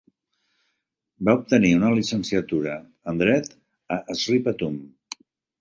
Va obtenir una llicenciatura en Dret a Sri Patum.